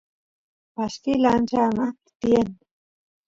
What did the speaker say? pashkil ancha anaqpi tiyan